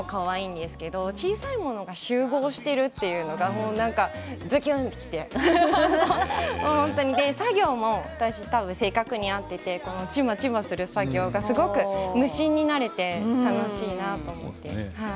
大きいのもかわいいんですけど小さいものが集合をしているというのがズキュンときて作業も私の性格に合っていてちまちまする作業が無心になれて楽しいなって。